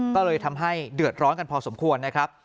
ก็เลยทำให้เดือดร้อนกันพอสมควรนะครับ